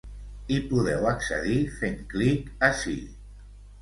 Hi podeu accedir fent clic ací.